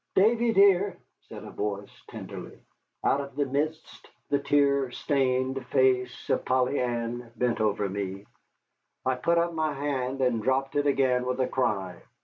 "Davy, dear," said a voice, tenderly. Out of the mist the tear stained face of Polly Ann bent over me. I put up my hand, and dropped it again with a cry.